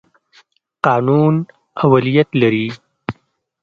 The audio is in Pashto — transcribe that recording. قانون اولیت لري.